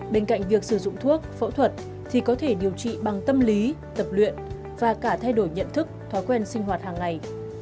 bên cạnh việc sử dụng thuốc phẫu thuật thì có thể điều trị bằng tâm lý tập luyện và cả thay đổi nhận thức thói quen sinh hoạt hàng ngày